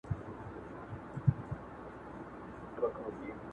دزړګي کورکښ میشته وي ځنې خلق